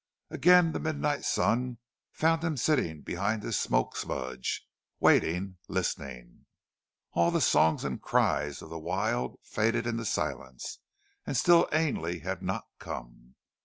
Again the midnight sun found him sitting behind his smoke smudge, waiting, listening. All the songs and cries of the wild faded into silence and still Ainley had not come.